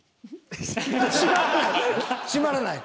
閉まらない。